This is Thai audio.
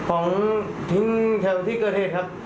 ของทิ้งแถวที่กระเทศครับ